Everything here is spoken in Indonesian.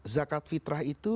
zakat fitrah itu